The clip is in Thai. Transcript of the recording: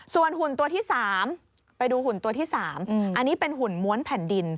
ส่วนหุ่นตัวที่๓ไปดูหุ่นตัวที่๓อันนี้เป็นหุ่นม้วนแผ่นดิน